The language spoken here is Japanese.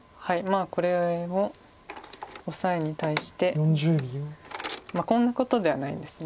まあこれもオサエに対してこんなことではないんです